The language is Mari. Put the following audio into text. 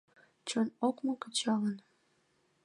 Чон ок му кычалын